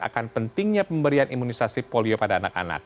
akan pentingnya pemberian imunisasi polio pada anak anak